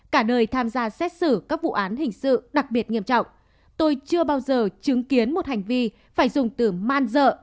cả đời tham gia xét xử các vụ án hình sự đặc biệt nghiêm trọng tôi chưa bao giờ chứng kiến một hành vi phải dùng từ man dợ